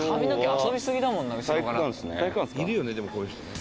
いるよねでもこういう人ね。